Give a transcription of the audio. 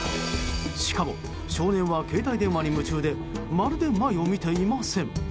しかも、少年は携帯電話に夢中でまるで前を見ていません。